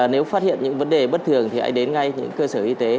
nếu phát hiện những vấn đề bất thường thì hãy đến ngay những cơ sở y tế